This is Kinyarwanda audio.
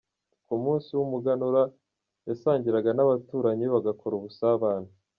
Ku munsi w’umuganura yasangiraga n’abaturanyi, bagakora ubusabane.